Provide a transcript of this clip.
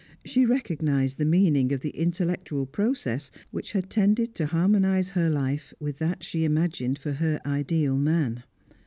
She recognised the meaning of the intellectual process which had tended to harmonise her life with that she imagined for her ideal man.